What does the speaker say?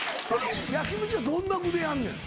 焼き飯はどんな具でやんねん？